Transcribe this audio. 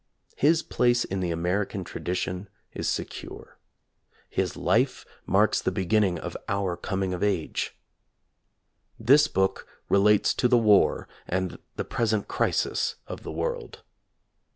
His place in the American tradition is secure. His life marks the beginning of our "coming of lis book relates to the war and the present crisis of the world.